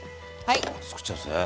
つくっちゃうんですね。